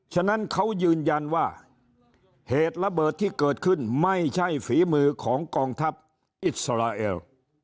ฉะนั้นเขายืนยันว่าเหตุระเบิดที่เกิดขึ้นไม่ใช่ฝีมือของกองทัพอิสราเอล